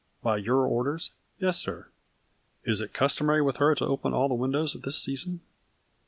" By your orders ?"" Yes, sir." " Is it customary with her to open all the windows at this season